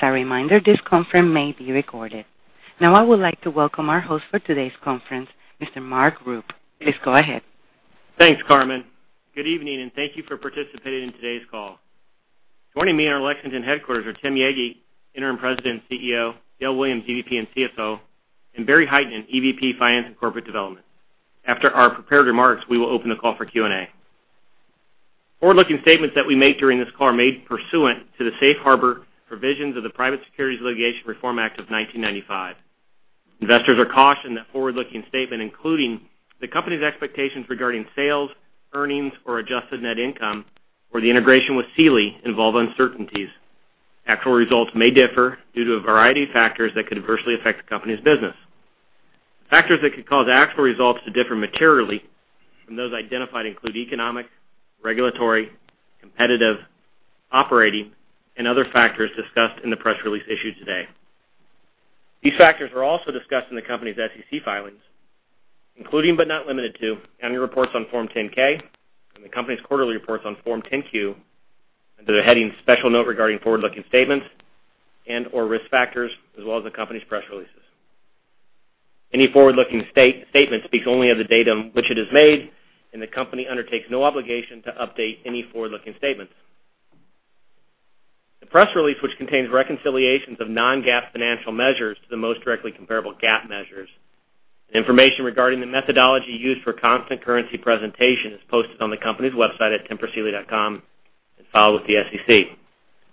As a reminder, this conference may be recorded. Now I would like to welcome our host for today's conference, Mr. Mark Sarvary. Please go ahead. Thanks, Carmen. Good evening, and thank you for participating in today's call. Joining me in our Lexington headquarters are Tim Yaggi, interim President and CEO, Dale Williams, EVP and CFO, and Barry Hytinen, EVP, finance and corporate development. After our prepared remarks, we will open the call for Q&A. Forward-looking statements that we make during this call are made pursuant to the safe harbor provisions of the Private Securities Litigation Reform Act of 1995. Investors are cautioned that forward-looking statement including the company's expectations regarding sales, earnings or adjusted net income, or the integration with Sealy involve uncertainties. Actual results may differ due to a variety of factors that could adversely affect the company's business. Factors that could cause actual results to differ materially from those identified include economic, regulatory, competitive, operating, and other factors discussed in the press release issued today. These factors are also discussed in the company's SEC filings, including but not limited to annual reports on Form 10-K, and the company's quarterly reports on Form 10-Q, under the heading "Special Note Regarding Forward-Looking Statements" and/or "Risk Factors," as well as the company's press releases. Any forward-looking statement speaks only of the date on which it is made, the company undertakes no obligation to update any forward-looking statements. The press release, which contains reconciliations of non-GAAP financial measures to the most directly comparable GAAP measures, and information regarding the methodology used for constant currency presentation is posted on the company's website at tempursealy.com and filed with the SEC. In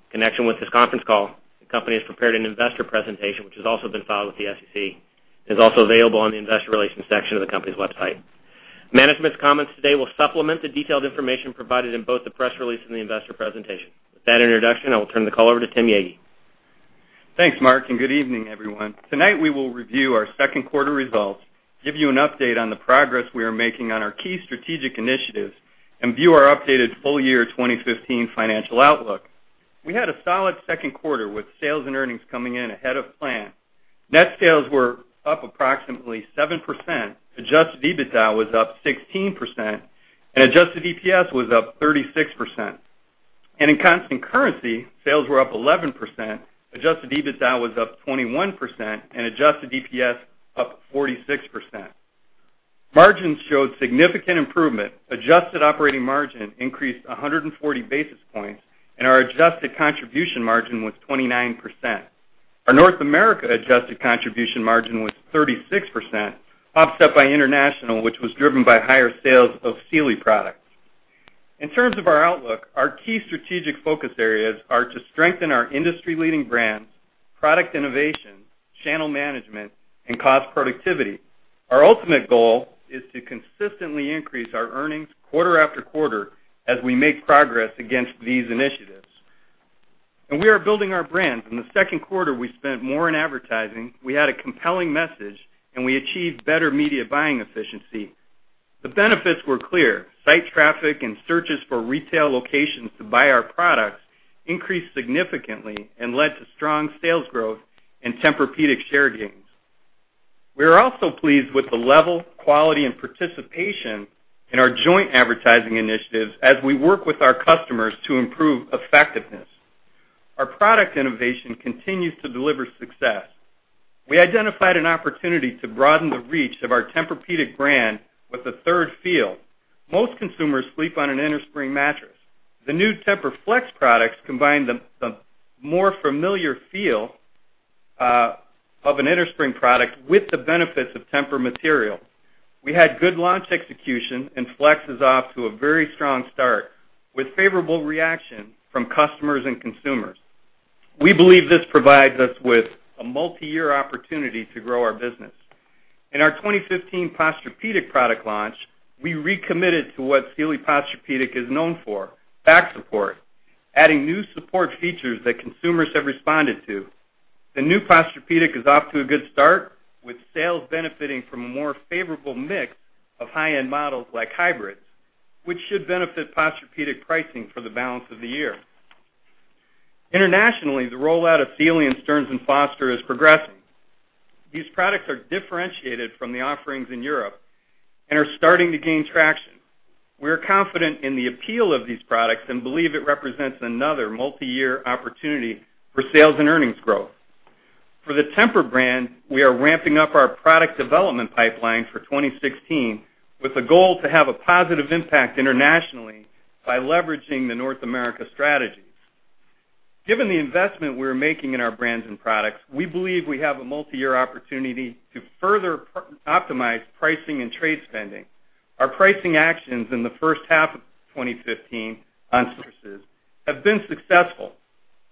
connection with this conference call, the company has prepared an investor presentation, which has also been filed with the SEC and is also available on the investor relations section of the company's website. Management's comments today will supplement the detailed information provided in both the press release and the investor presentation. With that introduction, I will turn the call over to Tim Yaggi. Thanks, Mark, good evening, everyone. Tonight we will review our second quarter results, give you an update on the progress we are making on our key strategic initiatives, and view our updated full year 2015 financial outlook. We had a solid second quarter with sales and earnings coming in ahead of plan. Net sales were up approximately 7%, adjusted EBITDA was up 16%, and adjusted EPS was up 36%. In constant currency, sales were up 11%, adjusted EBITDA was up 21%, and adjusted EPS up 46%. Margins showed significant improvement. Adjusted operating margin increased 140 basis points and our adjusted contribution margin was 29%. Our North America adjusted contribution margin was 36%, offset by international, which was driven by higher sales of Sealy products. In terms of our outlook, our key strategic focus areas are to strengthen our industry-leading brands, product innovation, channel management, and cost productivity. Our ultimate goal is to consistently increase our earnings quarter after quarter as we make progress against these initiatives. We are building our brands. In the second quarter, we spent more in advertising, we had a compelling message, and we achieved better media buying efficiency. The benefits were clear. Site traffic and searches for retail locations to buy our products increased significantly and led to strong sales growth and Tempur-Pedic share gains. We are also pleased with the level, quality, and participation in our joint advertising initiatives as we work with our customers to improve effectiveness. Our product innovation continues to deliver success. We identified an opportunity to broaden the reach of our Tempur-Pedic brand with a third feel. Most consumers sleep on an innerspring mattress. The new Tempur-Flex products combine the more familiar feel of an innerspring product with the benefits of Tempur material. We had good launch execution, and Flex is off to a very strong start with favorable reaction from customers and consumers. We believe this provides us with a multi-year opportunity to grow our business. In our 2015 Posturepedic product launch, we recommitted to what Sealy Posturepedic is known for: back support, adding new support features that consumers have responded to. The new Posturepedic is off to a good start with sales benefiting from a more favorable mix of high-end models like hybrids, which should benefit Posturepedic pricing for the balance of the year. Internationally, the rollout of Sealy and Stearns & Foster is progressing. These products are differentiated from the offerings in Europe and are starting to gain traction. We are confident in the appeal of these products and believe it represents another multi-year opportunity for sales and earnings growth. For the Tempur brand, we are ramping up our product development pipeline for 2016 with a goal to have a positive impact internationally by leveraging the North America strategies. Given the investment we are making in our brands and products, we believe we have a multi-year opportunity to further optimize pricing and trade spending. Our pricing actions in the first half of 2015 on sources have been successful,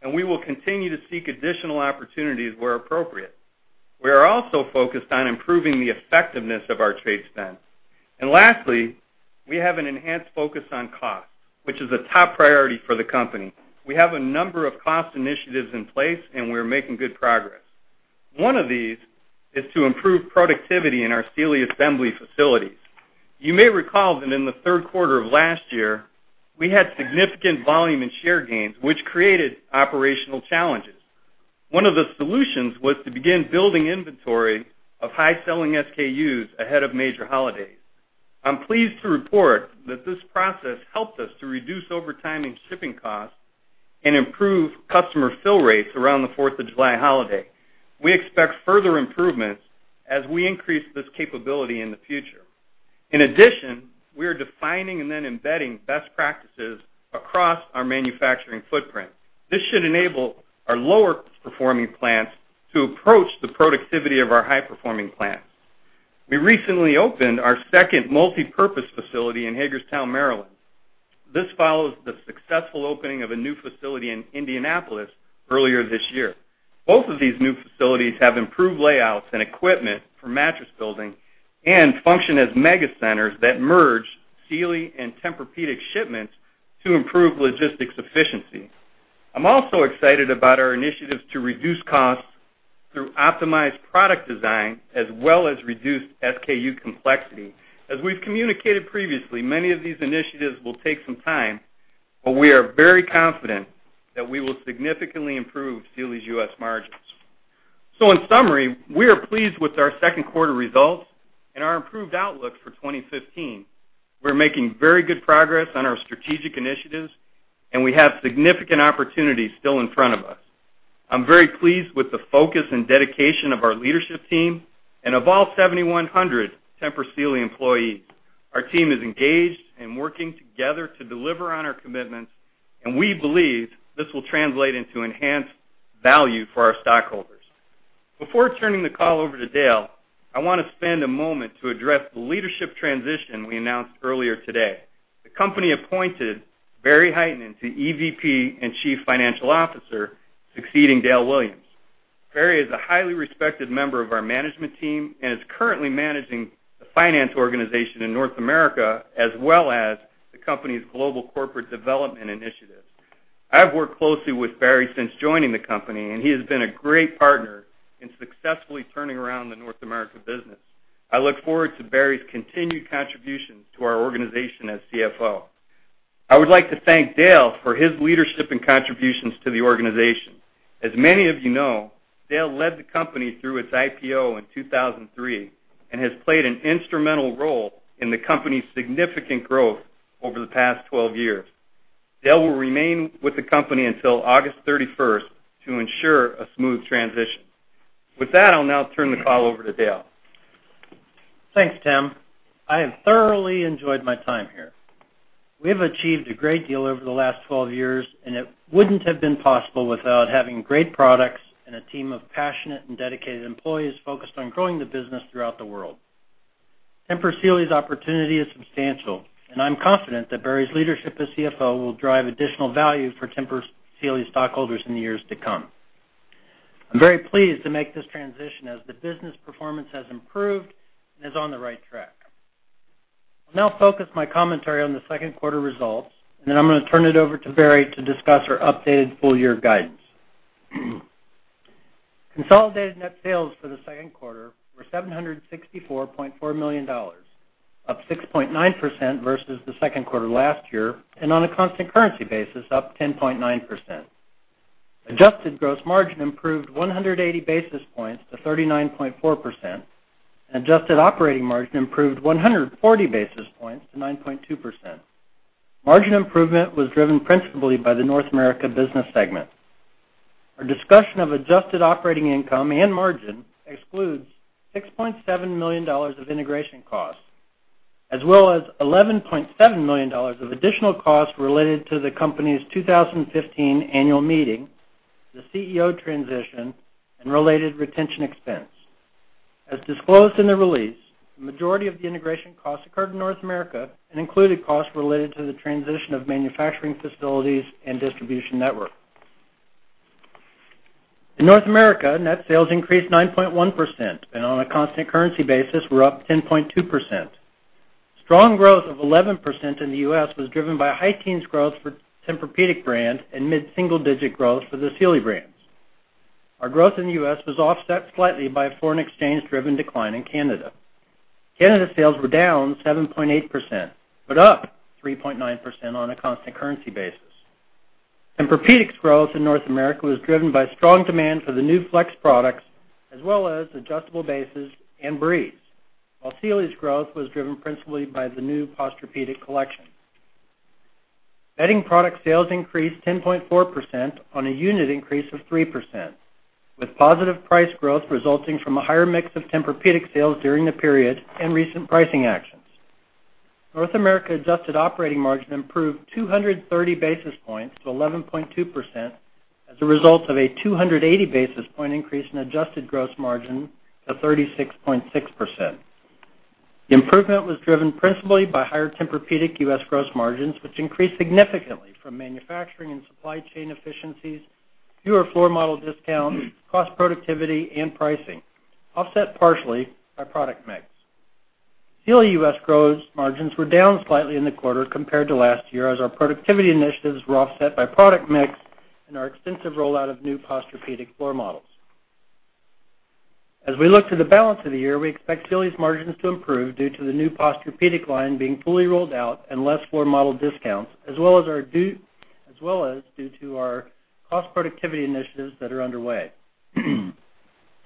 and we will continue to seek additional opportunities where appropriate. We are also focused on improving the effectiveness of our trade spend. Lastly, we have an enhanced focus on cost, which is a top priority for the company. We have a number of cost initiatives in place, and we are making good progress. One of these is to improve productivity in our Sealy assembly facilities. You may recall that in the third quarter of last year, we had significant volume and share gains, which created operational challenges. One of the solutions was to begin building inventory of high-selling SKUs ahead of major holidays. I'm pleased to report that this process helped us to reduce overtime and shipping costs and improve customer fill rates around the Fourth of July holiday. We expect further improvements as we increase this capability in the future. In addition, we are defining and then embedding best practices across our manufacturing footprint. This should enable our lower-performing plants to approach the productivity of our high-performing plants. We recently opened our second multipurpose facility in Hagerstown, Maryland. This follows the successful opening of a new facility in Indianapolis earlier this year. Both of these new facilities have improved layouts and equipment for mattress building and function as mega centers that merge Sealy and Tempur-Pedic shipments to improve logistics efficiency. I'm also excited about our initiatives to reduce costs through optimized product design as well as reduced SKU complexity. As we've communicated previously, many of these initiatives will take some time, but we are very confident that we will significantly improve Sealy's U.S. margins. In summary, we are pleased with our second quarter results and our improved outlook for 2015. We're making very good progress on our strategic initiatives, and we have significant opportunities still in front of us. I'm very pleased with the focus and dedication of our leadership team and of all 7,100 Tempur Sealy employees. Our team is engaged and working together to deliver on our commitments, and we believe this will translate into enhanced value for our stockholders. Before turning the call over to Dale, I want to spend a moment to address the leadership transition we announced earlier today. The company appointed Barry Hytinen to EVP and Chief Financial Officer, succeeding Dale Williams. Barry is a highly respected member of our management team and is currently managing the finance organization in North America, as well as the company's global corporate development initiatives. I have worked closely with Barry since joining the company, and he has been a great partner in successfully turning around the North America business. I look forward to Barry's continued contributions to our organization as CFO. I would like to thank Dale for his leadership and contributions to the organization. As many of you know, Dale led the company through its IPO in 2003 and has played an instrumental role in the company's significant growth over the past 12 years. Dale will remain with the company until August 31st to ensure a smooth transition. With that, I'll now turn the call over to Dale. Thanks, Tim. I have thoroughly enjoyed my time here. We have achieved a great deal over the last 12 years, it wouldn't have been possible without having great products and a team of passionate and dedicated employees focused on growing the business throughout the world. Tempur Sealy's opportunity is substantial, I'm confident that Barry Hytinen's leadership as CFO will drive additional value for Tempur Sealy stockholders in the years to come. I'm very pleased to make this transition as the business performance has improved and is on the right track. I'll now focus my commentary on the second quarter results, I'm going to turn it over to Barry Hytinen to discuss our updated full-year guidance. Consolidated net sales for the second quarter were $764.4 million, up 6.9% versus the second quarter last year, on a constant currency basis, up 10.9%. Adjusted gross margin improved 180 basis points to 39.4%, adjusted operating margin improved 140 basis points to 9.2%. Margin improvement was driven principally by the North America business segment. Our discussion of adjusted operating income and margin excludes $6.7 million of integration costs, as well as $11.7 million of additional costs related to the company's 2015 annual meeting, the CEO transition, and related retention expense. As disclosed in the release, the majority of the integration costs occurred in North America included costs related to the transition of manufacturing facilities and distribution network. In North America, net sales increased 9.1%, on a constant currency basis, were up 10.2%. Strong growth of 11% in the U.S. was driven by high teens growth for Tempur-Pedic brand and mid-single-digit growth for the Sealy brands. Our growth in the U.S. was offset slightly by a foreign exchange-driven decline in Canada. Canada sales were down 7.8%, up 3.9% on a constant currency basis. Tempur-Pedic's growth in North America was driven by strong demand for the new Tempur-Flex products as well as adjustable bases and TEMPUR-breeze. Sealy's growth was driven principally by the new Posturepedic collection. Bedding product sales increased 10.4% on a unit increase of 3%, with positive price growth resulting from a higher mix of Tempur-Pedic sales during the period and recent pricing actions. North America adjusted operating margin improved 230 basis points to 11.2% as a result of a 280 basis point increase in adjusted gross margin to 36.6%. The improvement was driven principally by higher Tempur-Pedic U.S. gross margins, which increased significantly from manufacturing and supply chain efficiencies, fewer floor model discounts, cost productivity, and pricing, offset partially by product mix. Sealy U.S. gross margins were down slightly in the quarter compared to last year as our productivity initiatives were offset by product mix and our extensive rollout of new Posturepedic floor models. We look to the balance of the year, we expect Sealy's margins to improve due to the new Posturepedic line being fully rolled out and less floor model discounts, as well as due to our cost productivity initiatives that are underway.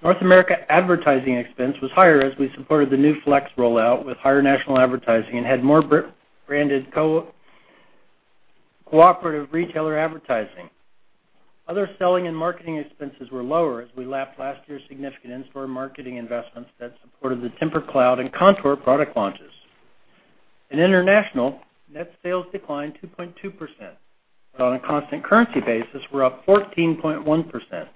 North America advertising expense was higher as we supported the New Tempur-Flex rollout with higher national advertising and had more branded cooperative retailer advertising. Other selling and marketing expenses were lower as we lapped last year's significant in-store marketing investments that supported the Tempur-Cloud and Contour product launches. In international, net sales declined 2.2%, on a constant currency basis, were up 14.1%,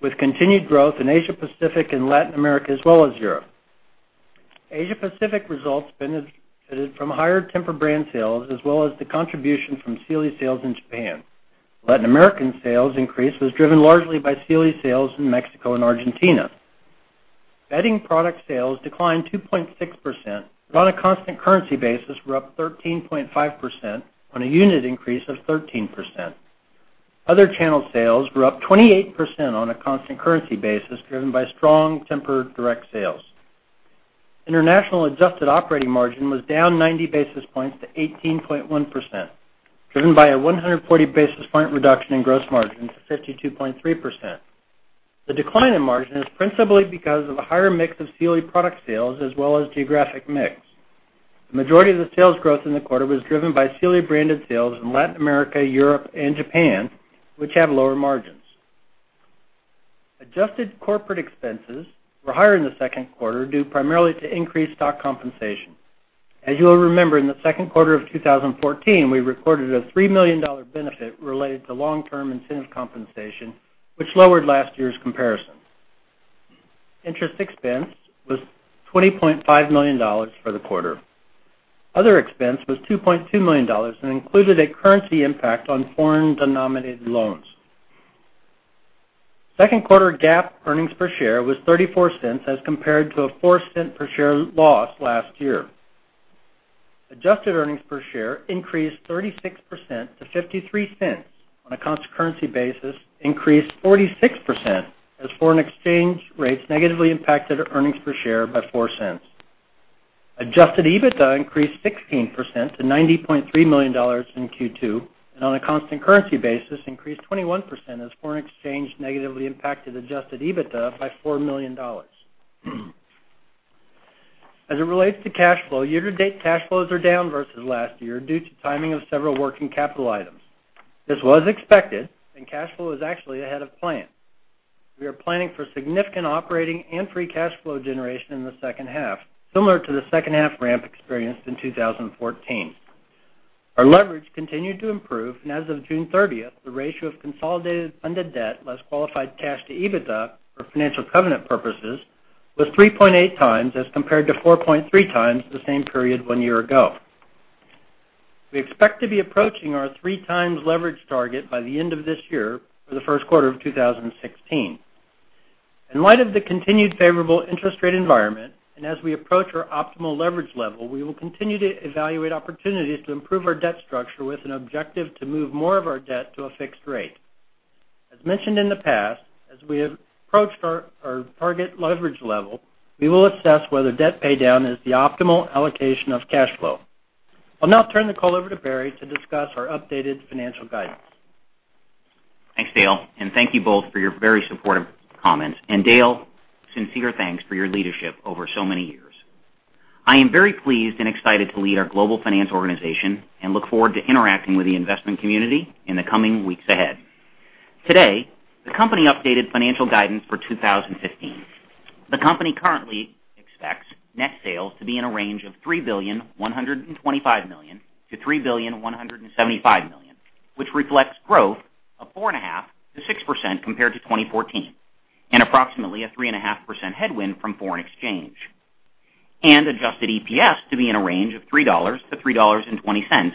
with continued growth in Asia Pacific and Latin America, as well as Europe. Asia Pacific results benefited from higher Tempur brand sales as well as the contribution from Sealy sales in Japan. Latin American sales increase was driven largely by Sealy sales in Mexico and Argentina. Bedding product sales declined 2.6%, but on a constant currency basis were up 13.5% on a unit increase of 13%. Other channel sales were up 28% on a constant currency basis, driven by strong Tempur direct sales. International adjusted operating margin was down 90 basis points to 18.1%, driven by a 140 basis point reduction in gross margin to 52.3%. The decline in margin is principally because of a higher mix of Sealy product sales as well as geographic mix. The majority of the sales growth in the quarter was driven by Sealy-branded sales in Latin America, Europe, and Japan, which have lower margins. Adjusted corporate expenses were higher in the second quarter due primarily to increased stock compensation. As you will remember, in the second quarter of 2014, we recorded a $3 million benefit related to long-term incentive compensation, which lowered last year's comparison. Interest expense was $20.5 million for the quarter. Other expense was $2.2 million and included a currency impact on foreign-denominated loans. Second quarter GAAP earnings per share was $0.34 as compared to a $0.04 per share loss last year. Adjusted earnings per share increased 36% to $0.53, on a constant currency basis increased 46% as foreign exchange rates negatively impacted earnings per share by $0.04. Adjusted EBITDA increased 16% to $90.3 million in Q2, and on a constant currency basis increased 21% as foreign exchange negatively impacted adjusted EBITDA by $4 million. As it relates to cash flow, year-to-date cash flows are down versus last year due to timing of several working capital items. This was expected, and cash flow is actually ahead of plan. We are planning for significant operating and free cash flow generation in the second half, similar to the second half ramp experienced in 2014. Our leverage continued to improve, and as of June 30th, the ratio of consolidated funded debt, less qualified cash to EBITDA for financial covenant purposes was 3.8 times as compared to 4.3 times the same period one year ago. We expect to be approaching our 3 times leverage target by the end of this year or the first quarter of 2016. In light of the continued favorable interest rate environment, as we approach our optimal leverage level, we will continue to evaluate opportunities to improve our debt structure with an objective to move more of our debt to a fixed rate. As mentioned in the past, as we approach our target leverage level, we will assess whether debt paydown is the optimal allocation of cash flow. I'll now turn the call over to Barry to discuss our updated financial guidance. Thanks, Dale, and thank you both for your very supportive comments. Dale, sincere thanks for your leadership over so many years. I am very pleased and excited to lead our global finance organization and look forward to interacting with the investment community in the coming weeks ahead. Today, the company updated financial guidance for 2015. The company currently expects net sales to be in a range of $3.125 billion-$3.175 billion, which reflects growth of 4.5%-6% compared to 2014 and approximately a 3.5% headwind from foreign exchange. Adjusted EPS to be in a range of $3-$3.20,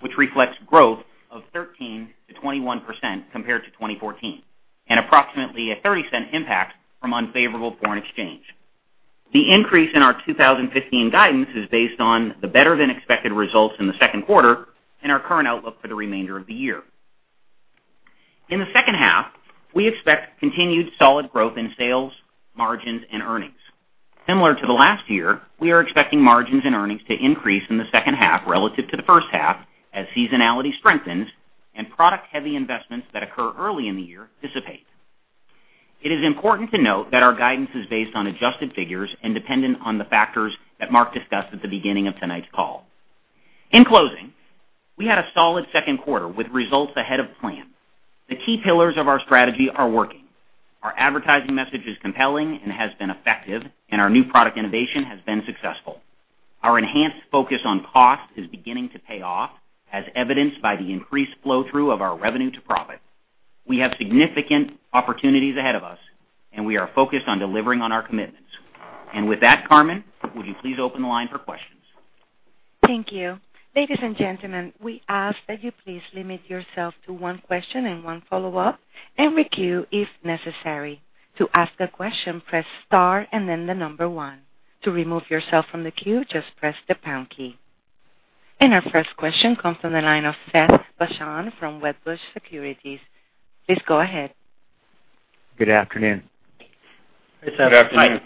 which reflects growth of 13%-21% compared to 2014 and approximately a $0.30 impact from unfavorable foreign exchange. The increase in our 2015 guidance is based on the better-than-expected results in the second quarter and our current outlook for the remainder of the year. In the second half, we expect continued solid growth in sales, margins, and earnings. Similar to the last year, we are expecting margins and earnings to increase in the second half relative to the first half as seasonality strengthens and product-heavy investments that occur early in the year dissipate. It is important to note that our guidance is based on adjusted figures and dependent on the factors that Mark discussed at the beginning of tonight's call. In closing, we had a solid second quarter with results ahead of plan. The key pillars of our strategy are working. Our advertising message is compelling and has been effective, our new product innovation has been successful. Our enhanced focus on cost is beginning to pay off, as evidenced by the increased flow-through of our revenue to profit. We have significant opportunities ahead of us, and we are focused on delivering on our commitments. With that, Carmen, would you please open the line for questions? Thank you. Ladies and gentlemen, we ask that you please limit yourself to one question and one follow-up and queue if necessary. To ask a question, press star and then the number one. To remove yourself from the queue, just press the pound key. Our first question comes from the line of Seth Basham from Wedbush Securities. Please go ahead. Good afternoon. Good afternoon.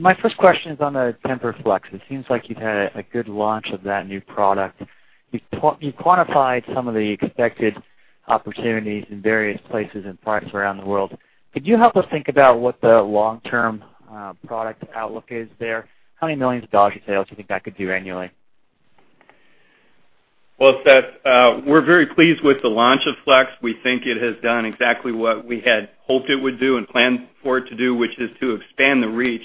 My first question is on the Tempur-Flex. It seems like you've had a good launch of that new product. You quantified some of the expected opportunities in various places and parts around the world. Could you help us think about what the long-term product outlook is there? How many millions of dollars in sales do you think that could do annually? Well, Seth, we're very pleased with the launch of Flex. We think it has done exactly what we had hoped it would do and planned for it to do, which is to expand the reach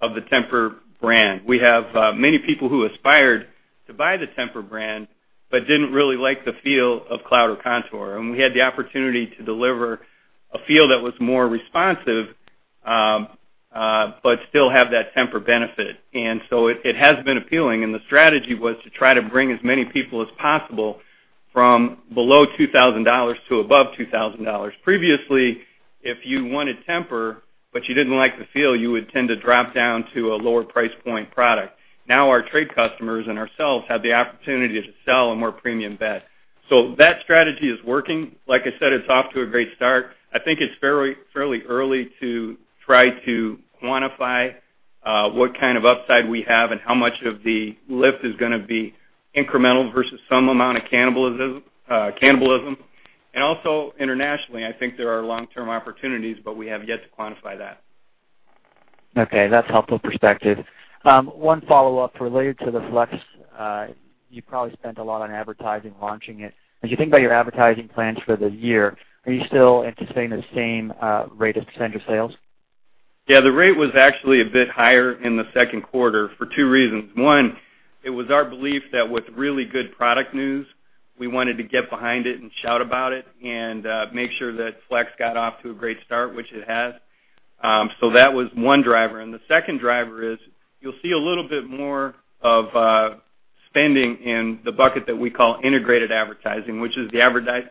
of the Tempur brand. We have many people who aspired to buy the Tempur brand, but didn't really like the feel of Cloud or Contour. We had the opportunity to deliver a feel that was more responsive, but still have that Tempur benefit. It has been appealing, and the strategy was to try to bring as many people as possible from below $2,000 to above $2,000. Previously, if you wanted Tempur, but you didn't like the feel, you would tend to drop down to a lower price point product. Now our trade customers and ourselves have the opportunity to sell a more premium bed. That strategy is working. Like I said, it's off to a great start. I think it's fairly early to try to quantify what kind of upside we have and how much of the lift is going to be incremental versus some amount of cannibalism. Also internationally, I think there are long-term opportunities, but we have yet to quantify that. Okay. That's helpful perspective. One follow-up related to the Tempur-Flex. You probably spent a lot on advertising launching it. As you think about your advertising plans for the year, are you still anticipating the same rate as a % of sales? Yeah, the rate was actually a bit higher in the second quarter for two reasons. One, it was our belief that with really good product news, we wanted to get behind it and shout about it and make sure that Tempur-Flex got off to a great start, which it has. That was one driver. The second driver is you'll see a little bit more of spending in the bucket that we call integrated advertising, which is the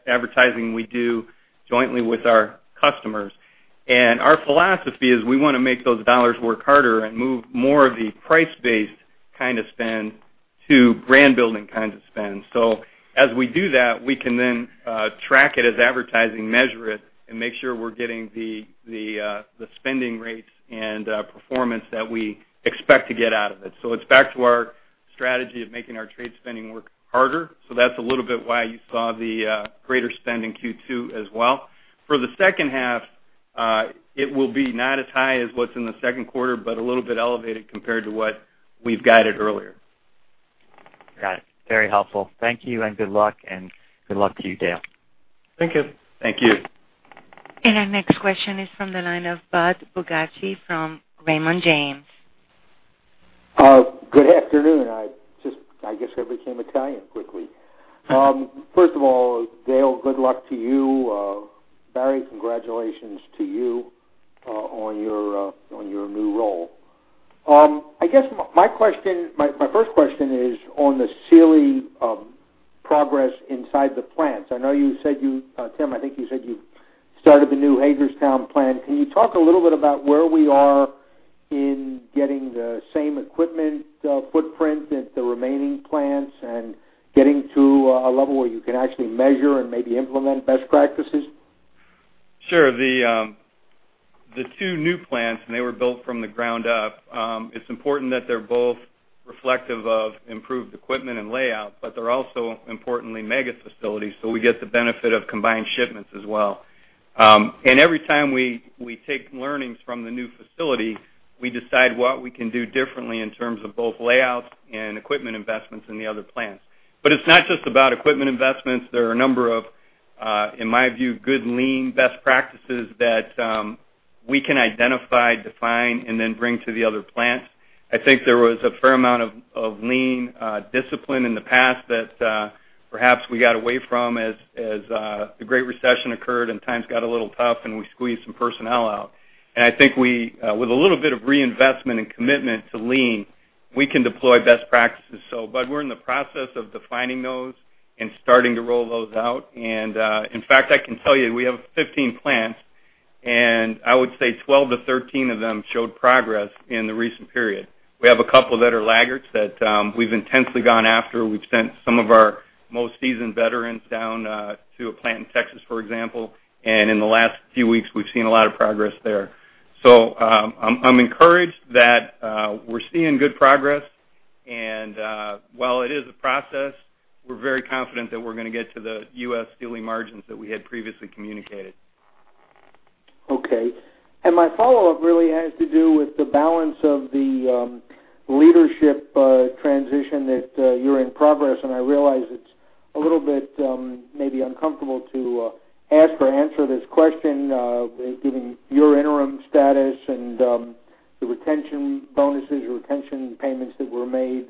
advertising we do jointly with our customers. Our philosophy is we want to make those dollars work harder and move more of the price-based kind of spend to brand-building kinds of spend. As we do that, we can then track it as advertising, measure it, and make sure we're getting the spending rates and performance that we expect to get out of it. It's back to our strategy of making our trade spending work harder. That's a little bit why you saw the greater spend in Q2 as well. For the second half, it will be not as high as what's in the second quarter, but a little bit elevated compared to what we've guided earlier. Got it. Very helpful. Thank you, and good luck, and good luck to you, Dale. Thank you. Thank you. Our next question is from the line of Budd Bugatch from Raymond James. Good afternoon. I guess I became Italian quickly. First of all, Dale, good luck to you. Barry, congratulations to you on your new role. I guess my first question is on the Sealy progress inside the plants. I know you said, Tim, I think you said you started the new Hagerstown plant. Can you talk a little bit about where we are in getting the same equipment footprint at the remaining plants and getting to a level where you can actually measure and maybe implement best practices? Sure. The two new plants. They were built from the ground up. It's important that they're both reflective of improved equipment and layout. They're also importantly mega facilities, so we get the benefit of combined shipments as well. Every time we take learnings from the new facility, we decide what we can do differently in terms of both layouts and equipment investments in the other plants. It's not just about equipment investments. There are a number of, in my view, good lean best practices that we can identify, define, and then bring to the other plants. I think there was a fair amount of lean discipline in the past that perhaps we got away from as the Great Recession occurred and times got a little tough and we squeezed some personnel out. I think with a little bit of reinvestment and commitment to lean, we can deploy best practices. Budd, we're in the process of defining those and starting to roll those out. In fact, I can tell you, we have 15 plants, and I would say 12 to 13 of them showed progress in the recent period. We have a couple that are laggards that we've intensely gone after. We've sent some of our most seasoned veterans down to a plant in Texas, for example, and in the last few weeks, we've seen a lot of progress there. I'm encouraged that we're seeing good progress. While it is a process, we're very confident that we're going to get to the U.S. Sealy margins that we had previously communicated. Okay. My follow-up really has to do with the balance of the leadership transition that you're in progress. I realize it's a little bit maybe uncomfortable to ask or answer this question given your interim status and the retention bonuses or retention payments that were made,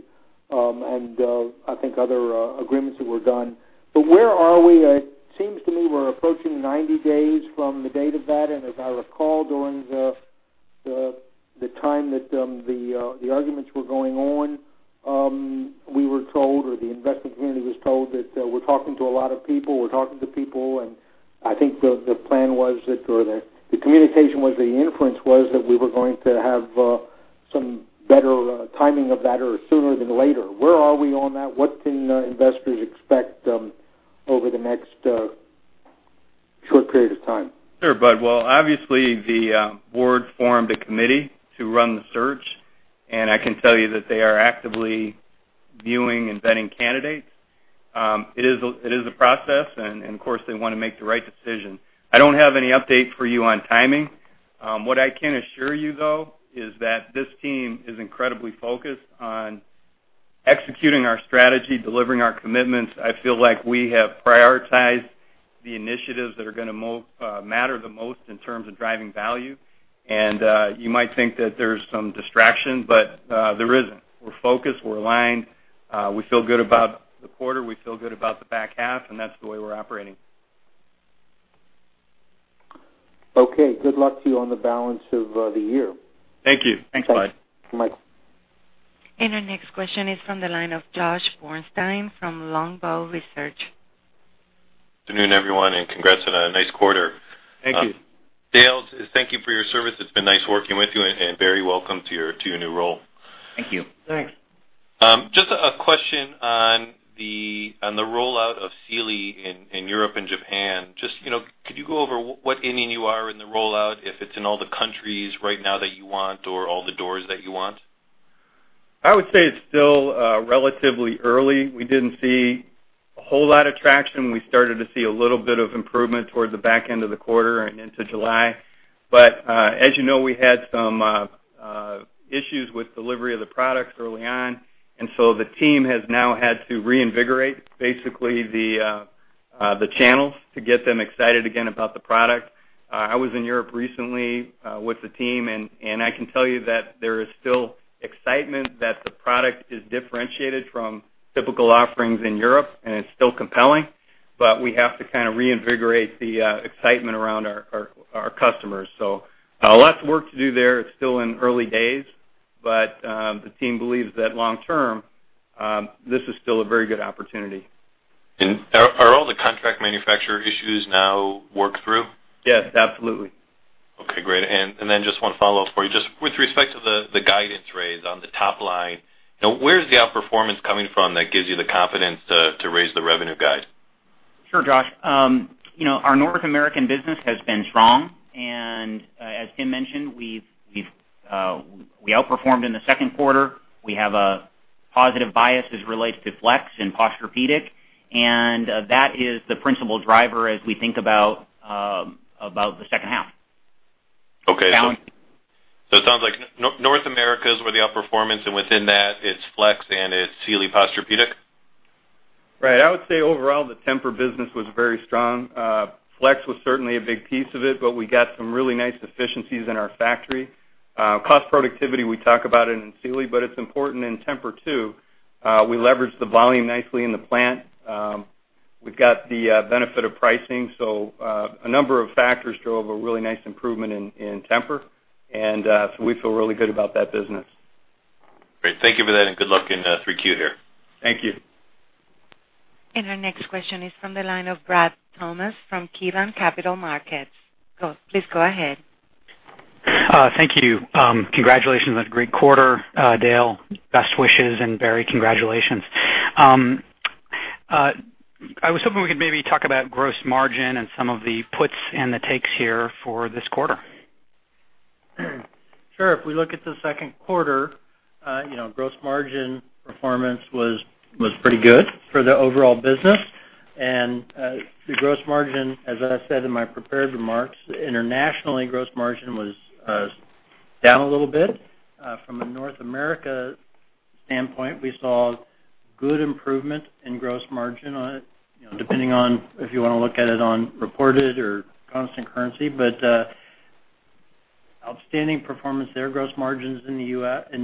and I think other agreements that were done. Where are we? It seems to me we're approaching 90 days from the date of that. As I recall, during the time that the arguments were going on, we were told, or the investment community was told that we're talking to a lot of people. We're talking to people, and I think the plan was, or the communication was, the inference was that we were going to have some better timing of that or sooner than later. Where are we on that? What can investors expect over the next short period of time? Sure, Budd. Well, obviously, the board formed a committee to run the search, and I can tell you that they are actively viewing and vetting candidates. It is a process, and of course, they want to make the right decision. I don't have any update for you on timing. What I can assure you, though, is that this team is incredibly focused on executing our strategy, delivering our commitments. I feel like we have prioritized the initiatives that are going to matter the most in terms of driving value. You might think that there's some distraction, but there isn't. We're focused. We're aligned. We feel good about the quarter. We feel good about the back half, and that's the way we're operating. Okay. Good luck to you on the balance of the year. Thank you. Thanks, Budd. Mike. Our next question is from the line of Josh Borstein from Longbow Research. Good afternoon, everyone, and congrats on a nice quarter. Thank you. Dale, thank you for your service. It's been nice working with you, and Barry, welcome to your new role. Thank you. Thanks. Just a question on the rollout of Sealy in Europe and Japan. Could you go over what inning you are in the rollout, if it's in all the countries right now that you want or all the doors that you want? I would say it's still relatively early. We didn't see a whole lot of traction. We started to see a little bit of improvement towards the back end of the quarter and into July. As you know, we had some issues with delivery of the products early on, the team has now had to reinvigorate basically the channels to get them excited again about the product. I was in Europe recently with the team, I can tell you that there is still excitement that the product is differentiated from typical offerings in Europe, and it's still compelling. We have to kind of reinvigorate the excitement around our customers. Lots of work to do there. It's still in the early days, the team believes that long term, this is still a very good opportunity. Are all the contract manufacturer issues now worked through? Yes, absolutely. Okay, great. Just one follow-up for you. Just with respect to the guidance raise on the top line, where's the outperformance coming from that gives you the confidence to raise the revenue guide? Sure, Josh. Our North American business has been strong. As Tim mentioned, we outperformed in the second quarter. We have a positive bias as it relates to Flex and Posturepedic. That is the principal driver as we think about the second half. Okay. It sounds like North America is where the outperformance, within that it's Flex and it's Sealy Posturepedic? Right. I would say overall, the Tempur business was very strong. Flex was certainly a big piece of it, but we got some really nice efficiencies in our factory. Cost productivity, we talk about it in Sealy, but it's important in Tempur, too. We leveraged the volume nicely in the plant. We've got the benefit of pricing. A number of factors drove a really nice improvement in Tempur, and so we feel really good about that business. Great. Thank you for that and good luck in 3Q here. Thank you. Our next question is from the line of Bradley Thomas from KeyBanc Capital Markets. Please go ahead. Thank you. Congratulations on a great quarter. Dale, best wishes, and Barry, congratulations. I was hoping we could maybe talk about gross margin and some of the puts and the takes here for this quarter. Sure. If we look at the second quarter, gross margin performance was pretty good for the overall business. The gross margin, as I said in my prepared remarks, internationally gross margin was down a little bit. From a North America standpoint, we saw good improvement in gross margin on it, depending on if you want to look at it on reported or constant currency, but outstanding performance there. Gross margins in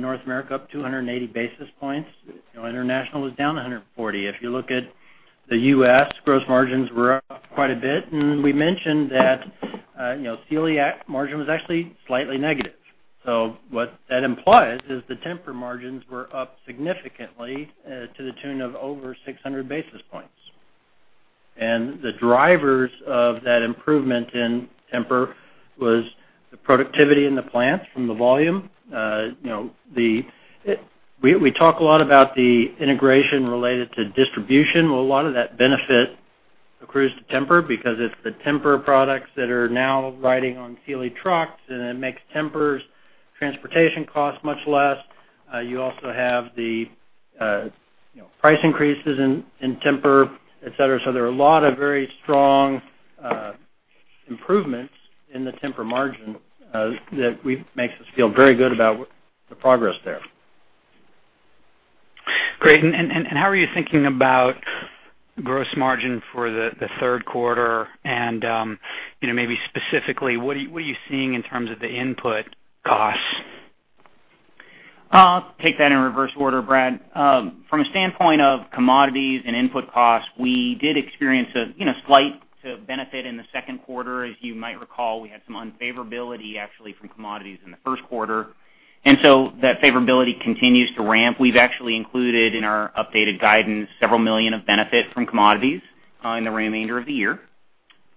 North America up 280 basis points. International was down 140. If you look at the U.S., gross margins were up quite a bit. We mentioned that Sealy margin was actually slightly negative. What that implies is the Tempur margins were up significantly to the tune of over 600 basis points. The drivers of that improvement in Tempur was the productivity in the plants from the volume. We talk a lot about the integration related to distribution. Well, a lot of that benefit accrues to Tempur because it's the Tempur products that are now riding on Sealy trucks, and it makes Tempur's transportation cost much less. You also have the price increases in Tempur, et cetera. There are a lot of very strong improvements in the Tempur margin that makes us feel very good about the progress there. Great. How are you thinking about gross margin for the third quarter? Maybe specifically, what are you seeing in terms of the input costs? I'll take that in reverse order, Brad. From a standpoint of commodities and input costs, we did experience a slight benefit in the second quarter. As you might recall, we had some unfavorability actually from commodities in the first quarter. So that favorability continues to ramp. We've actually included in our updated guidance DKK several million of benefit from commodities in the remainder of the year.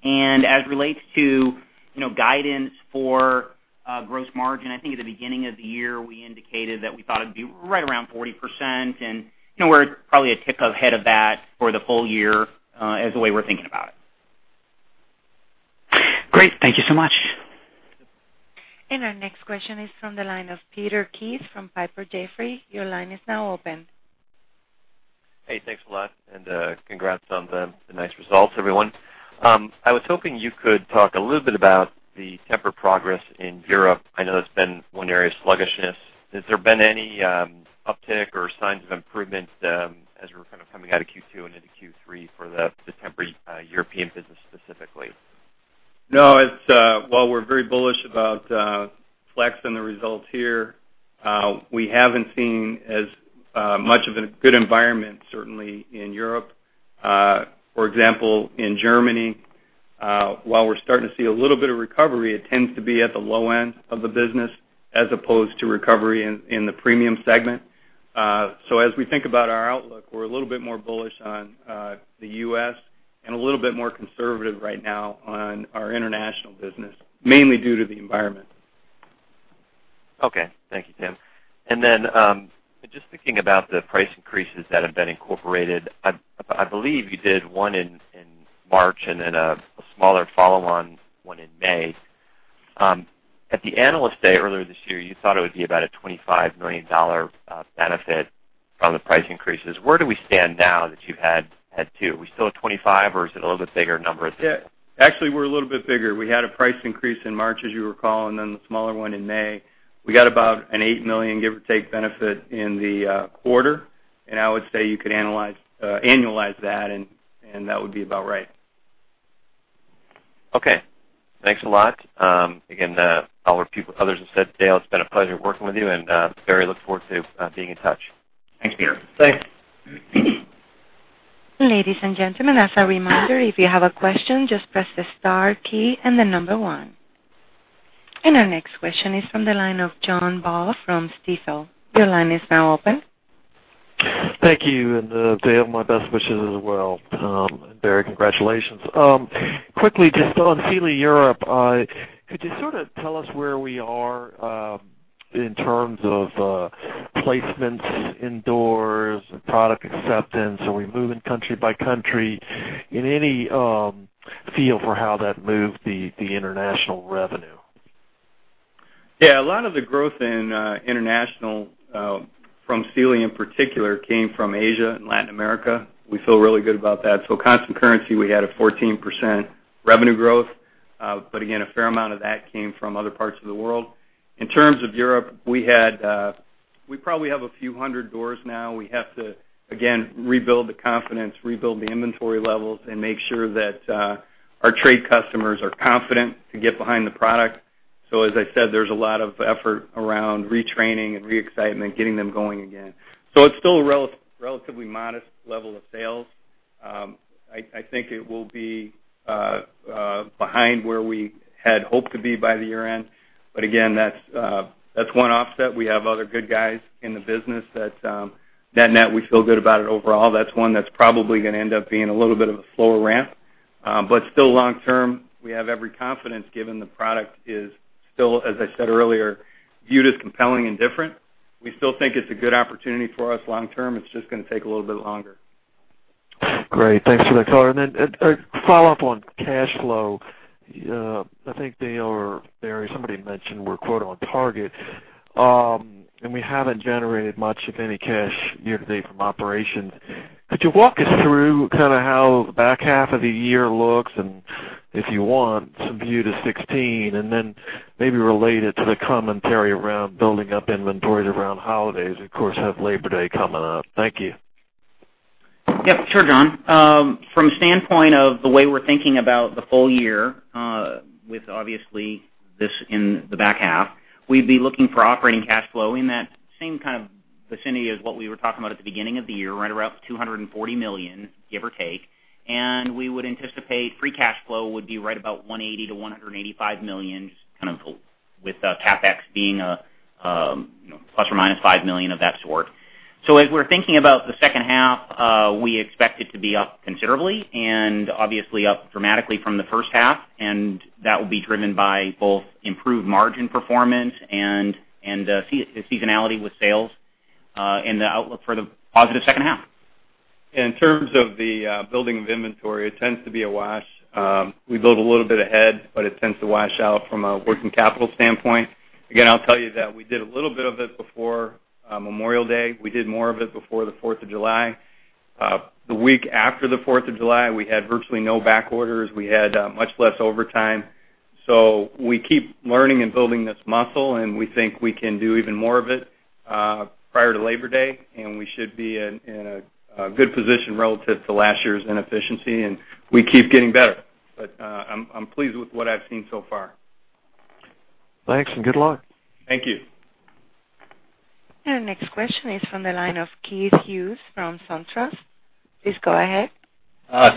As it relates to guidance for Gross margin, I think at the beginning of the year, we indicated that we thought it'd be right around 40%, and we're probably a tick ahead of that for the whole year, is the way we're thinking about it. Great. Thank you so much. Our next question is from the line of Peter Keith from Piper Jaffray. Your line is now open. Hey, thanks a lot and congrats on the nice results, everyone. I was hoping you could talk a little bit about the Tempur progress in Europe. I know that's been one area of sluggishness. Has there been any uptick or signs of improvement as we're coming out of Q2 and into Q3 for the Tempur European business specifically? No. While we are very bullish about Tempur-Flex and the results here, we haven't seen as much of a good environment, certainly in Europe. For example, in Germany, while we are starting to see a little bit of recovery, it tends to be at the low end of the business as opposed to recovery in the premium segment. As we think about our outlook, we are a little bit more bullish on the U.S. and a little bit more conservative right now on our international business, mainly due to the environment. Okay. Thank you, Tim. Just thinking about the price increases that have been incorporated, I believe you did one in March and then a smaller follow-on one in May. At the Analyst Day earlier this year, you thought it would be about a $25 million benefit from the price increases. Where do we stand now that you've had two? Are we still at 25, or is it a little bit bigger number at this point? Actually, we are a little bit bigger. We had a price increase in March, as you recall, and then the smaller one in May. We got about an $8 million, give or take, benefit in the quarter, and I would say you could annualize that and that would be about right. Okay. Thanks a lot. Again, all the others have said, Dale, it's been a pleasure working with you, and very look forward to being in touch. Thanks, Peter. Thanks. Ladies and gentlemen, as a reminder, if you have a question, just press the star key and the number 1. Our next question is from the line of John Baugh from Stifel. Your line is now open. Thank you, Dale, my best wishes as well. Barry, congratulations. Quickly, just on Sealy Europe, could you sort of tell us where we are in terms of placements in doors, product acceptance? Are we moving country by country? Any feel for how that moved the international revenue? A lot of the growth in international, from Sealy in particular, came from Asia and Latin America. We feel really good about that. Constant currency, we had a 14% revenue growth. Again, a fair amount of that came from other parts of the world. In terms of Europe, we probably have a few hundred doors now. We have to, again, rebuild the confidence, rebuild the inventory levels, and make sure that our trade customers are confident to get behind the product. As I said, there's a lot of effort around retraining and re-excitement, getting them going again. It's still a relatively modest level of sales. I think it will be behind where we had hoped to be by the year-end. Again, that's one offset. We have other good guys in the business that net, we feel good about it overall. That's one that's probably going to end up being a little bit of a slower ramp. Still long-term, we have every confidence given the product is still, as I said earlier, viewed as compelling and different. We still think it's a good opportunity for us long-term. It's just going to take a little bit longer. Great. Thanks for that color. Then a follow-up on cash flow. I think Dale or Barry, somebody mentioned we're, quote, "On target." We haven't generated much of any cash year-to-date from operations. Could you walk us through how the back half of the year looks, and if you want, some view to 2016, then maybe relate it to the commentary around building up inventories around holidays? Of course, have Labor Day coming up. Thank you. Yep. Sure, John. From standpoint of the way we're thinking about the full year, with obviously this in the back half, we'd be looking for operating cash flow in that same kind of vicinity as what we were talking about at the beginning of the year, right around $240 million, give or take. We would anticipate free cash flow would be right about $180 million-$185 million, with the CapEx being ±$5 million of that sort. As we're thinking about the second half, we expect it to be up considerably and obviously up dramatically from the first half, that will be driven by both improved margin performance and seasonality with sales in the outlook for the positive second half. In terms of the building of inventory, it tends to be a wash. We build a little bit ahead, it tends to wash out from a working capital standpoint. Again, I'll tell you that we did a little bit of it before Memorial Day. We did more of it before the Fourth of July. The week after the Fourth of July, we had virtually no back orders. We had much less overtime. We keep learning and building this muscle, we think we can do even more of it prior to Labor Day, we should be in a good position relative to last year's inefficiency, we keep getting better. I'm pleased with what I've seen so far. Thanks, and good luck. Thank you. Our next question is from the line of Keith Hughes from SunTrust. Please go ahead.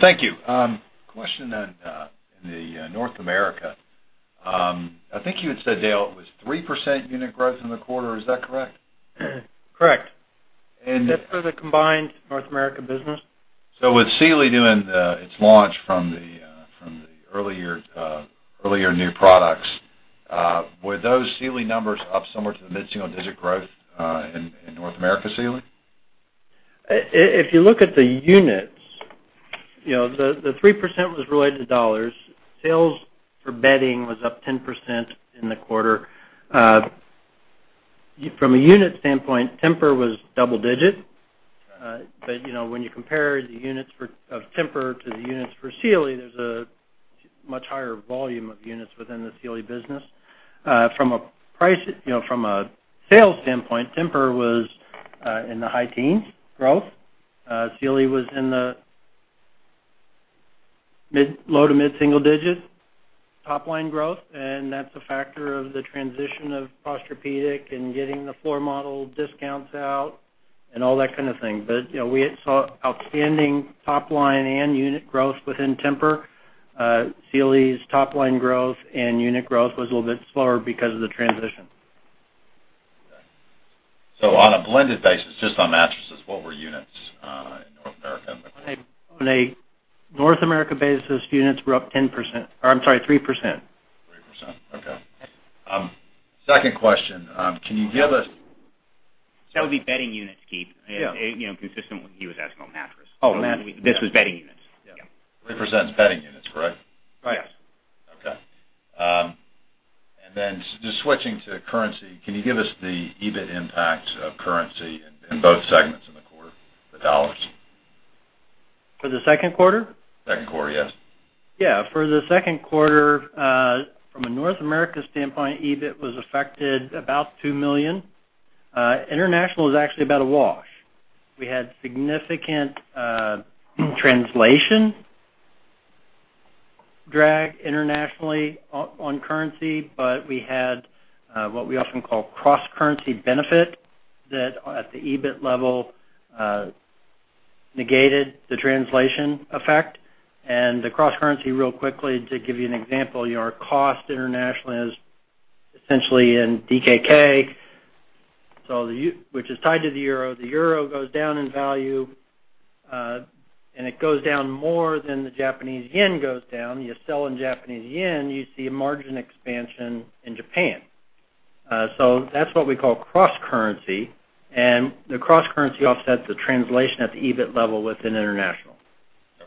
Thank you. Question on the North America. I think you had said, Dale, it was 3% unit growth in the quarter; is that correct? Correct. That's for the combined North America business. With Sealy doing its launch from the earlier new products, were those Sealy numbers up somewhere to the mid-single-digit growth in North America Sealy? If you look at the units, the 3% was related to dollars. Sales for bedding was up 10% in the quarter. From a unit standpoint, Tempur was double digit. When you compare the units of Tempur to the units for Sealy, there's a much higher volume of units within the Sealy business. From a sales standpoint, Tempur was in the high teens growth. Sealy was in the low to mid-single digit top-line growth, and that's a factor of the transition of Posturepedic and getting the floor model discounts out and all that kind of thing. We saw outstanding top-line and unit growth within Tempur. Sealy's top-line growth and unit growth was a little bit slower because of the transition. Okay. On a blended basis, just on mattresses, what were units in North America? On a North America basis, units were up 3%. 3%. Okay. Second question. Can you give us- That would be bedding units, Keith. Yeah. Consistent with what he was asking on mattress. Oh, mattress. This was bedding units. Yeah. 3% is bedding units, correct? Right. Yes. Okay. Just switching to currency, can you give us the EBIT impact of currency in both segments in the quarter, the Danish krone? For the second quarter? Second quarter, yes. Yeah. For the second quarter, from a North America standpoint, EBIT was affected about $2 million. International was actually about a wash. We had significant translation drag internationally on currency, but we had what we often call cross-currency benefit that at the EBIT level, negated the translation effect and the cross-currency real quickly to give you an example, our cost internationally is essentially in DKK, which is tied to the euro. The euro goes down in value, and it goes down more than the Japanese yen goes down. You sell in Japanese yen, you see a margin expansion in Japan. That's what we call cross-currency. The cross-currency offsets the translation at the EBIT level within international.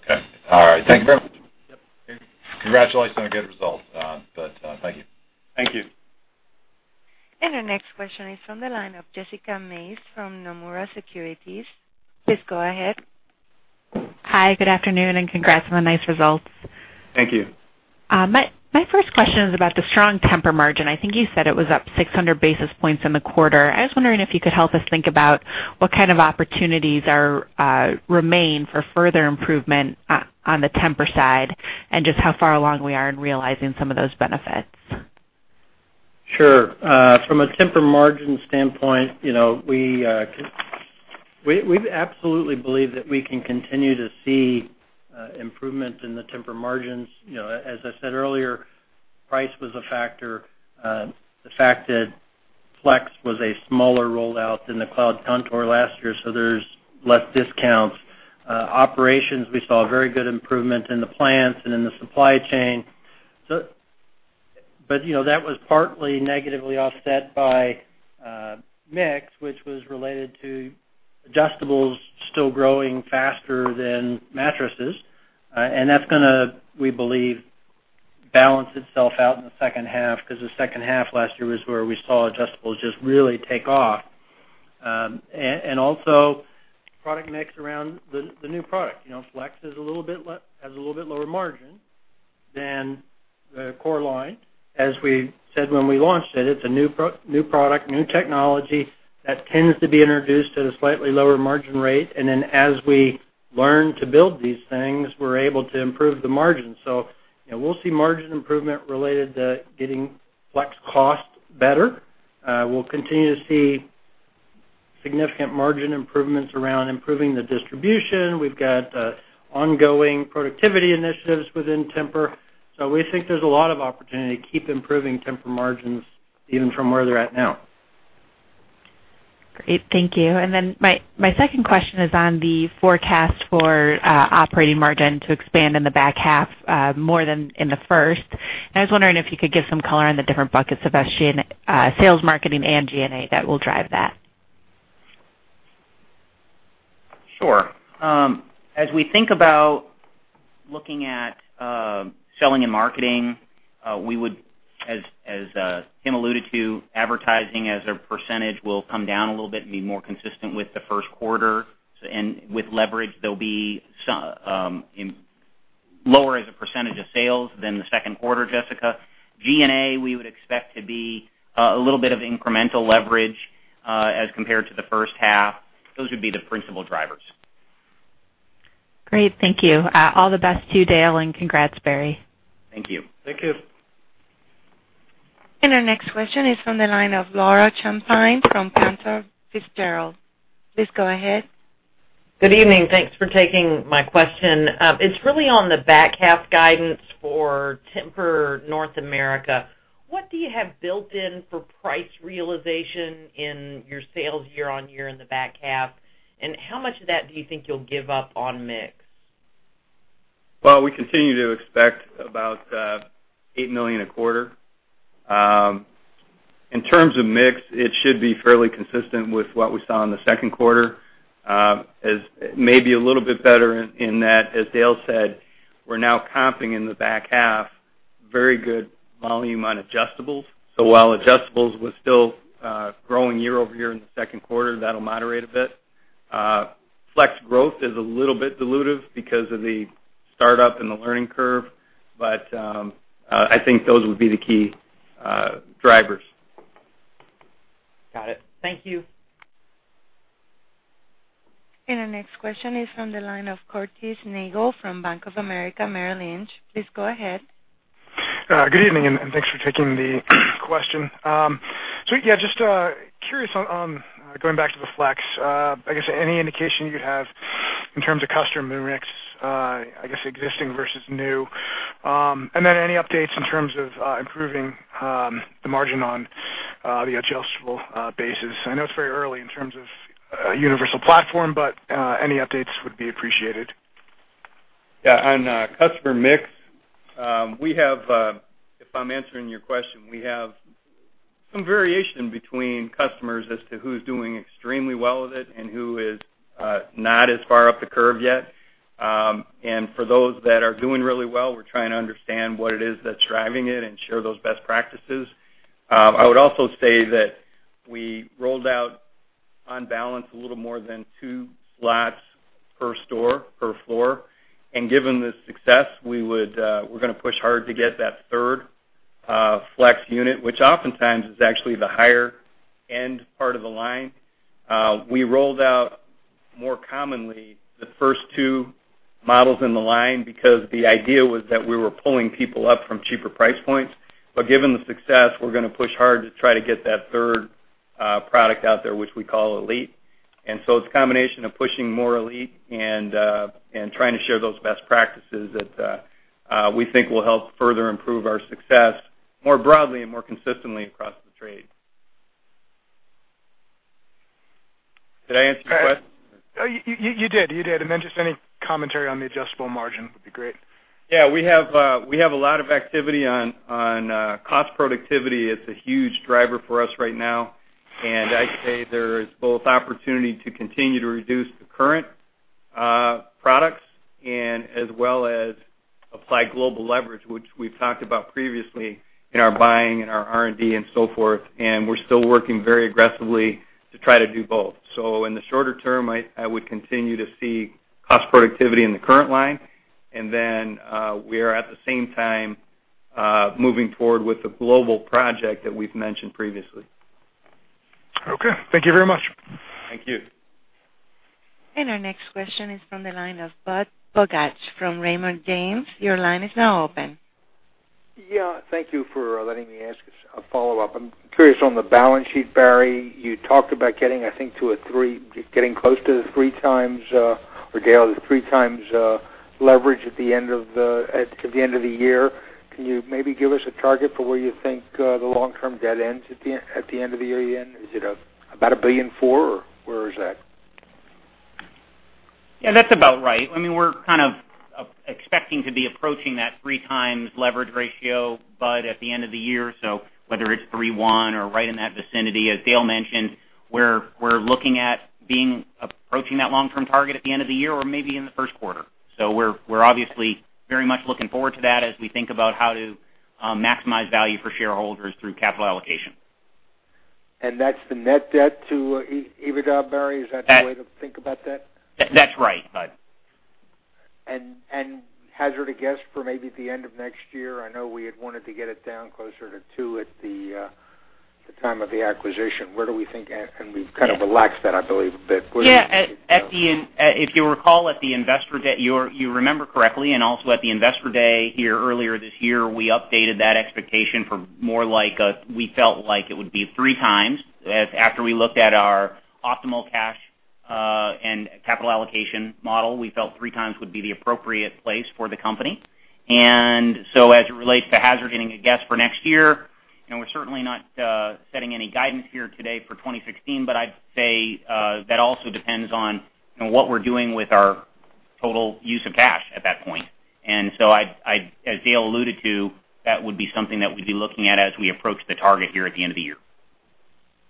Okay. All right. Thank you very much. Yep. Congratulations on a good result. Thank you. Thank you. Our next question is from the line of Jessica Mace from Nomura Securities. Please go ahead. Hi, good afternoon, congrats on the nice results. Thank you. My first question is about the strong Tempur margin. I think you said it was up 600 basis points in the quarter. I was wondering if you could help us think about what kind of opportunities remain for further improvement on the Tempur side and just how far along we are in realizing some of those benefits. Sure. From a Tempur margin standpoint, we absolutely believe that we can continue to see improvements in the Tempur margins. As I said earlier, price was a factor. The fact that Flex was a smaller rollout than the Cloud Contour last year, so there's less discounts. That was partly negatively offset by mix, which was related to adjustables still growing faster than mattresses. That's going to, we believe, balance itself out in the second half because the second half last year was where we saw adjustables just really take off. Also product mix around the new product. Flex has a little bit lower margin than the core line. As we said when we launched it's a new product, new technology that tends to be introduced at a slightly lower margin rate. As we learn to build these things, we're able to improve the margin. We'll see margin improvement related to getting Flex costs better. We'll continue to see significant margin improvements around improving the distribution. We've got ongoing productivity initiatives within Tempur, so we think there's a lot of opportunity to keep improving Tempur margins even from where they're at now. Great. Thank you. Then my second question is on the forecast for operating margin to expand in the back half more than in the first, and I was wondering if you could give some color on the different buckets of sales, marketing, and G&A that will drive that. Sure. As we think about looking at selling and marketing, we would, as Tim alluded to, advertising as a percentage will come down a little bit and be more consistent with the first quarter. With leverage, they'll be lower as a percentage of sales than the second quarter, Jessica. G&A, we would expect to be a little bit of incremental leverage as compared to the first half. Those would be the principal drivers. Great. Thank you. All the best to you, Dale. Congrats, Barry. Thank you. Thank you. Our next question is from the line of Laura Champine from Cantor Fitzgerald. Please go ahead. Good evening. Thanks for taking my question. It's really on the back half guidance for Tempur North America. What do you have built in for price realization in your sales year-on-year in the back half, and how much of that do you think you'll give up on mix? Well, we continue to expect about $8 million a quarter. In terms of mix, it should be fairly consistent with what we saw in the second quarter. It may be a little bit better in that, as Dale said, we're now comping in the back half very good volume on adjustables. While adjustables was still growing year-over-year in the second quarter, that'll moderate a bit. Flex growth is a little bit dilutive because of the startup and the learning curve, I think those would be the key drivers. Got it. Thank you. Our next question is from the line of Curtis Nagle from Bank of America Merrill Lynch. Please go ahead. Good evening, and thanks for taking the question. Yeah, just curious on going back to the Flex. I guess any indication you have in terms of customer mix, I guess existing versus new. Then any updates in terms of improving the margin on the adjustable basis. I know it's very early in terms of universal platform, but any updates would be appreciated. Yeah. On customer mix, if I'm answering your question, we have some variation between customers as to who's doing extremely well with it and who is not as far up the curve yet. For those that are doing really well, we're trying to understand what it is that's driving it and share those best practices. I would also say that we rolled out on balance a little more than two slots per store, per floor. Given the success, we're going to push hard to get that third Flex unit, which oftentimes is actually the higher-end part of the line. We rolled out more commonly the first two models in the line because the idea was that we were pulling people up from cheaper price points. Given the success, we're going to push hard to try to get that third product out there, which we call Elite. It's a combination of pushing more Elite and trying to share those best practices that we think will help further improve our success more broadly and more consistently across the trade. Did I answer your question? You did. Just any commentary on the adjustable margin would be great. Yeah, we have a lot of activity on cost productivity. It's a huge driver for us right now. I'd say there is both opportunity to continue to reduce the current products and as well as apply global leverage, which we've talked about previously in our buying and our R&D and so forth. We're still working very aggressively to try to do both. In the shorter term, I would continue to see cost productivity in the current line. Then we are at the same time moving forward with the global project that we've mentioned previously. Okay. Thank you very much. Thank you. Our next question is from the line of Budd Bugatch from Raymond James. Your line is now open. Yeah. Thank you for letting me ask a follow-up. I'm curious on the balance sheet, Barry. You talked about getting, I think, close to the three times, or Dale, the three times leverage at the end of the year. Can you maybe give us a target for where you think the long-term debt ends at the end of the year then? Is it about $1.4 billion, or where is that? Yeah, that's about right. We're kind of expecting to be approaching that three times leverage ratio, Budd, at the end of the year. Whether it's 3.1 or right in that vicinity, as Dale mentioned, we're looking at approaching that long-term target at the end of the year or maybe in the first quarter. We're obviously very much looking forward to that as we think about how to maximize value for shareholders through capital allocation. That's the net debt to EBITDA, Barry? Is that the way to think about that? That's right, Budd. Hazard a guess for maybe at the end of next year? I know we had wanted to get it down closer to two at the time of the acquisition. Where do we think, and we've kind of relaxed that, I believe, a bit. Yeah. You remember correctly, and also at the Investor Day here earlier this year, we updated that expectation for more like a, we felt like it would be 3x. After we looked at our optimal cash and capital allocation model, we felt 3x would be the appropriate place for the company. As it relates to hazard getting a guess for next year, we're certainly not setting any guidance here today for 2016. I'd say that also depends on what we're doing with our total use of cash at that point. As Dale alluded to, that would be something that we'd be looking at as we approach the target here at the end of the year.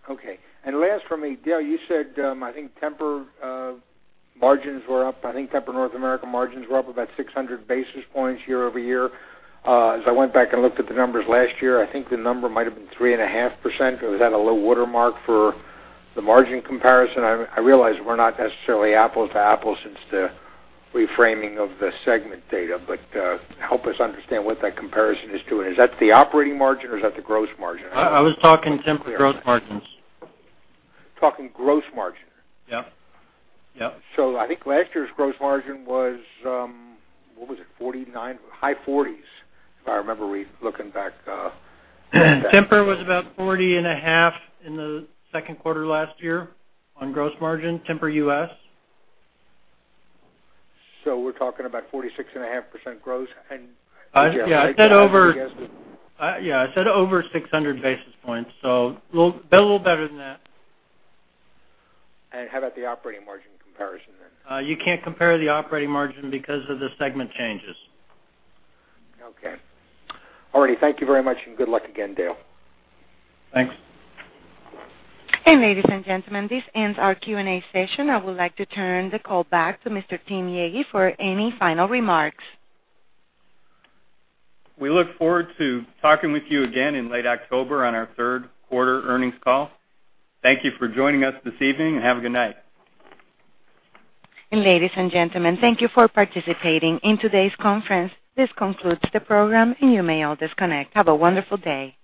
Okay. Last from me, Dale, you said, I think Tempur margins were up. I think Tempur North America margins were up about 600 basis points year-over-year. As I went back and looked at the numbers last year, I think the number might've been 3.5%, because I had a low watermark for the margin comparison. I realize we're not necessarily apples to apples since the reframing of the segment data, help us understand what that comparison is to. Is that the operating margin or is that the gross margin? I was talking Tempur gross margins. Talking gross margin. Yep. I think last year's gross margin was, what was it? 49, high 40s, if I remember looking back. Tempur was about 40.5% in the second quarter last year on gross margin, Tempur US. We're talking about 46.5% gross margin. Yeah, I said over 600 basis points. A little better than that. How about the operating margin comparison then? You can't compare the operating margin because of the segment changes. Okay. All righty. Thank you very much, good luck again, Dale. Thanks. Ladies and gentlemen, this ends our Q&A session. I would like to turn the call back to Mr. Tim Yaggi for any final remarks. We look forward to talking with you again in late October on our third quarter earnings call. Thank you for joining us this evening, have a good night. Ladies and gentlemen, thank you for participating in today's conference. This concludes the program, and you may all disconnect. Have a wonderful day.